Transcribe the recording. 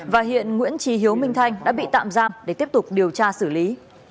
và hiện nguyễn trí hiếu minh thanh đã bị tạm giam để tiếp tục điều tra xử lý